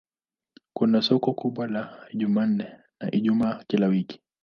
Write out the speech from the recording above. Kuna soko kubwa la Jumanne na Ijumaa kila wiki.